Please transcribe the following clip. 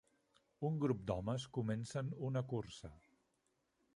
Un grup d'homes comencen una cursa.